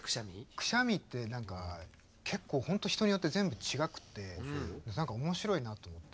くしゃみって何か結構本当人によって全部違くて何か面白いなと思って。